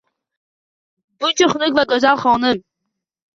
Buncha xunuk bu goʻzal xonim